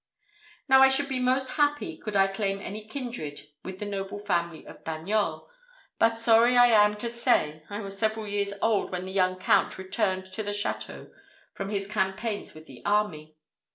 "Now I should be most happy could I claim any kindred with the noble family of Bagnols, but sorry I am to say, I was several years old when the young Count returned to the château from his campaigns with the army.